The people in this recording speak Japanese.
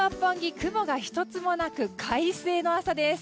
雲が１つもなく快晴の朝です。